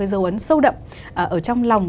dấu ấn sâu đậm trong lòng